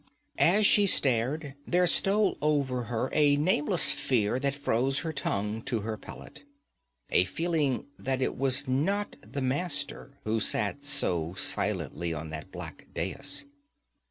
As she stared, there stole over her a nameless fear that froze her tongue to her palate a feeling that it was not the Master who sat so silently on that black dais.